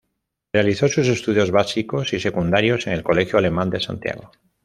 Realizó sus estudios básicos y secundarios en el Colegio Alemán de Santiago.